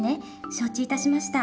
承知いたしました。